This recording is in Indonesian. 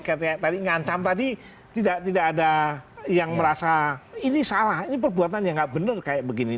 kayak tadi ngancam tadi tidak ada yang merasa ini salah ini perbuatan yang nggak bener kayak begini